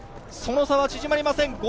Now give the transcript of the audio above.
その差は縮まりません